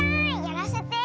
やらせて。